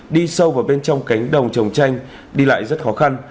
đi sâu vào bên trong cánh đồng trồng chanh đi lại rất khó khăn